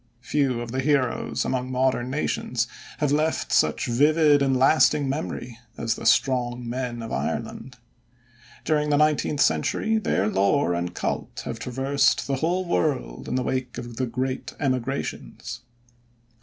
Few of the heroes among modern nations have left such vivid and lasting memory as "the strong men of Ireland." During the nineteenth century their lore and cult have traversed the whole world in the wake of the great emigrations.